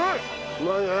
うまいね。